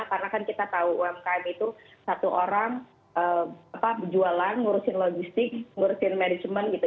karena kan kita tahu umkm itu satu orang jualan ngurusin logistik ngurusin management gitu